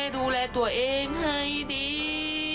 ดูแลตัวเองให้ดี